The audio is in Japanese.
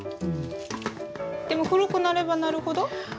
でも古くなればなるほど。